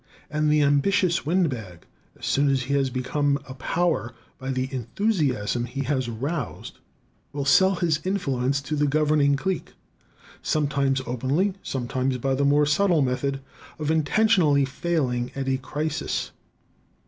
And the ambitious windbag, as soon as he has become a power by the enthusiasm he has aroused, will sell his influence to the governing clique, sometimes openly, sometimes by the more subtle method of intentionally failing at a crisis.